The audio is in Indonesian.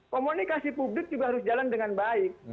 komunikasi publik juga harus jalan dengan baik